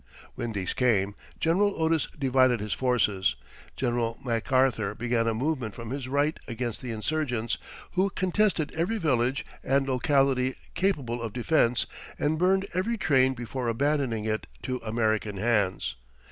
When these came, General Otis divided his forces. General MacArthur began a movement from his right against the insurgents, who contested every village and locality capable of defense, and burned every train before abandoning it to American hands.